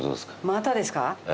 またですか？